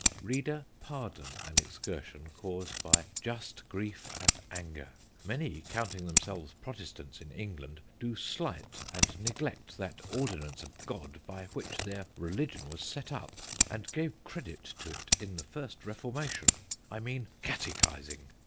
"Reader, pardon an Excursion caused by just Grief and Anger. Many, counting themselves Protestants in England, do slight and neglect that Ordinance of God, by which their Religion was set up, and gave Credit to it in the first Reformation; I mean, CATECHISING.